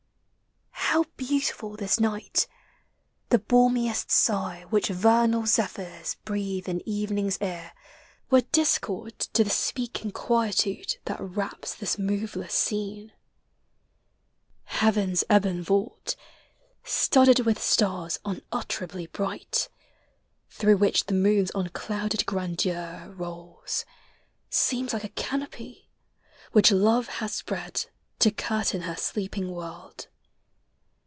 How beautiful this night! the balmiest sigh Which vernal zephyrs breathe in evening's ear Were discord to the speaking quietude That wraps this moveless scene. Heaven's ebon vault, Studded with stars unutterably bright, Through which the moon's unclouded grandeur rolls, LIGHT: DAY: NIGHT. <i7 Seems like a canopy which love has spread To curtain her sleeping world.